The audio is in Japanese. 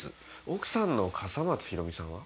奥さんの笠松ひろみさんは？